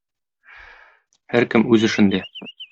Һәркем үз эшендә.